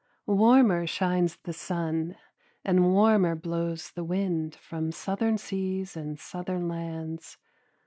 Warmer shines the sun and warmer blows the wind from southern seas and southern lands.